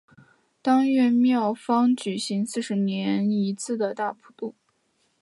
当月庙方举行四十年一次的大普度。